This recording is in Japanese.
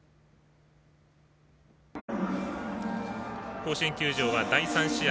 甲子園球場は第３試合。